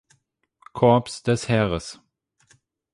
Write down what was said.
Korps des Heeres.